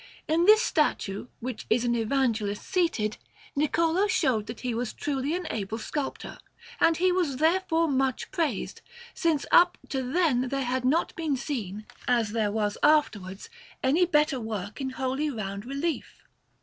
In this statue, which is an Evangelist seated, Niccolò showed that he was truly an able sculptor, and he was therefore much praised, since up to then there had not been seen, as there was afterwards, any better work in wholly round relief.